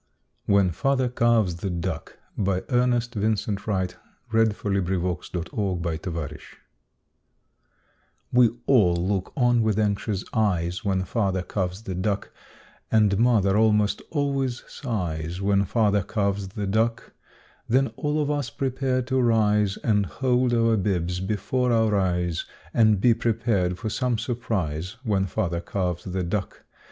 4When Father Carves the Duck1891Ernest Vincent Wright We all look on with anxious eyes When Father carves the duck And mother almost always sighs When Father carves the duck Then all of us prepare to rise And hold our bibs before our eyes And be prepared for some surprise When Father carves the duck.